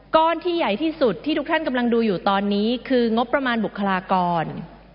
ก้อนที่ใหญ่ที่สุดที่ทุกท่านกำลังดูอยู่ตอนนี้คืองบประมาณบุคลากร